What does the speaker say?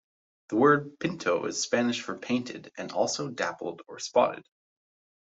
The word "pinto" is Spanish for 'painted', and also 'dappled' or 'spotted'.